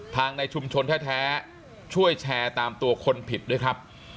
ในชุมชนแท้ช่วยแชร์ตามตัวคนผิดด้วยครับ